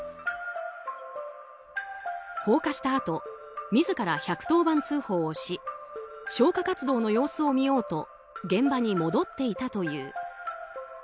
放火したあと自ら１１０番通報をし消火活動の様子を見ようと現場に戻っていたという。